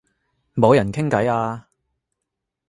冇人傾偈啊